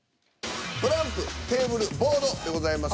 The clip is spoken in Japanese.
「トランプ」「テーブル」「ボード」でございます。